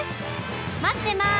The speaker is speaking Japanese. まってます！